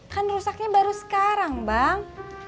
kan rusaknya baru sekarang bang